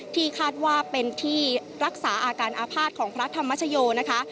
ที่คาดว่าเป็นที่รักษาอาการอาภาษณ์ของพระธรรมชโยนะคะ